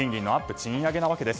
賃上げなわけです。